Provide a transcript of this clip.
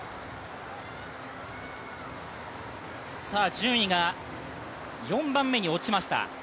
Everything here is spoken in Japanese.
順位が４番目に落ちました。